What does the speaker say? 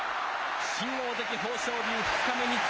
新大関・豊昇龍、２日目に土。